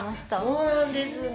そうなんですね！